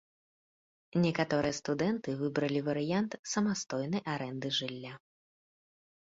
Некаторыя студэнты выбралі варыянт самастойнай арэнды жылля.